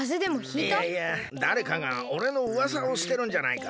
いやいやだれかがおれのうわさをしてるんじゃないか？